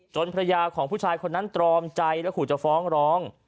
ภรรยาของผู้ชายคนนั้นตรอมใจและขู่จะฟ้องร้อง